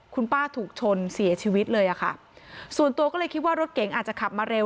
คุณป้าถูกชนเสียชีวิตเลยอะค่ะส่วนตัวก็เลยคิดว่ารถเก๋งอาจจะขับมาเร็ว